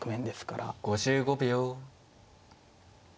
５５秒。